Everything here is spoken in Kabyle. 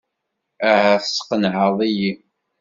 Aha, tesqenɛeḍ-iyi.